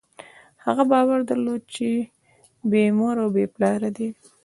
هغه باور درلود، چې بېمور او بېپلاره دی.